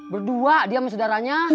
berdua dia sama saudaranya